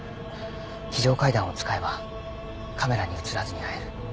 非常階段を使えばカメラに映らずに会える。